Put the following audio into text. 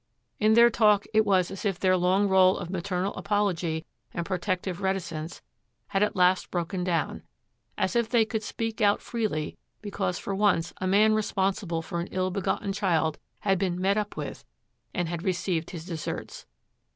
In their talk it was as if their long rôle of maternal apology and protective reticence had at last broken down; as if they could speak out freely because for once a man responsible for an ill begotten child had been 'met up with' and had received his deserts.